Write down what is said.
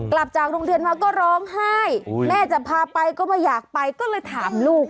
กลับจากโรงเรียนมาก็ร้องไห้แม่จะพาไปก็ไม่อยากไปก็เลยถามลูก